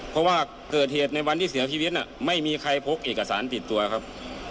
เพราะว่าเกิดเหตุในวันที่เสียชีวิตไม่มีใครพกเอกสารติดตัวครับ